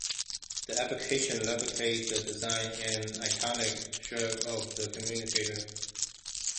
The application replicated the design and iconic chirp of the communicator.